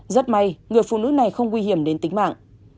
rất may người phụ nữ này không nguy hiểm đến tính mạng